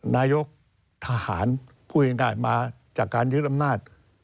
นายกทหารพูดง่ายมาจากการยึดอำนาจ